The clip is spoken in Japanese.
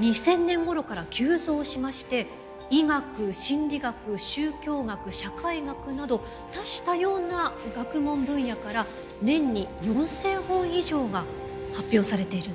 ２０００年ごろから急増しまして医学心理学宗教学社会学など多種多様な学問分野から年に４，０００本以上が発表されているんです。